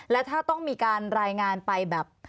และถ้าต้องมีการรายงานไปแบบ